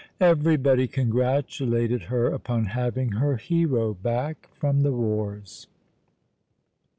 Everybody congratulated her upon having her hero back from the wars.